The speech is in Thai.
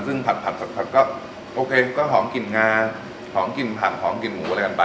ซึ่งผัดก็โอเคก็หอมกลิ่นงาหอมกลิ่นผักหอมกลิ่นหมูอะไรกันไป